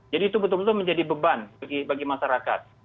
jadi itu betul betul menjadi beban bagi masyarakat